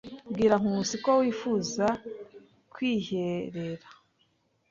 Bwira Nkusi ko wifuza kwiherera.